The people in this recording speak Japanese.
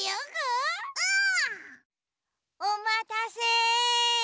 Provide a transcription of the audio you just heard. おまたせ！